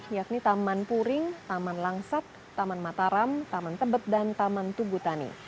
yakni taman puring taman langsat taman mataram taman tebet dan taman tugutani